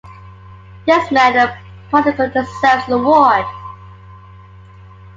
This man in particular deserves an award.